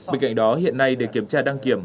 bên cạnh đó hiện nay để kiểm tra đăng kiểm